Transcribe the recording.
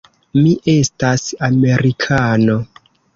Mi estas amerikano.